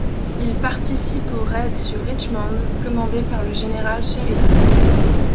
Il participe au raid sur Richmond commandé par le général Sheridan.